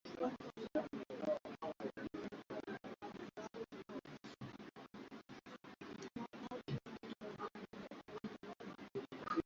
Mungu huyu ni mwenye nguvu na anayeyajua mambo yote